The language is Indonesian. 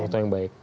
suatu yang baik